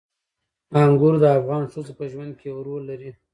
انګور د افغان ښځو په ژوند کې یو رول لري.